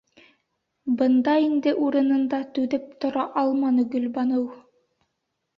Бында инде урынында түҙеп тора алманы Гөлбаныу.